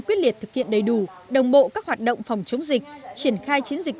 quyết liệt thực hiện đầy đủ đồng bộ các hoạt động phòng chống dịch triển khai chiến dịch